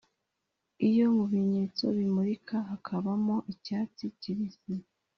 iyo mubimenyetso bimurika hakamo icyatsi kibisi